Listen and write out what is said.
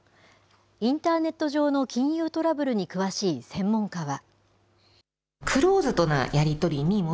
インターネット上の金融トラブルに詳しい専門家は。